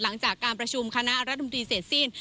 หลังจากการประชุมคณะรัฐมนตรีเสร็จสิ้น